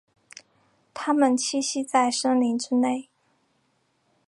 它们栖息在森林之内。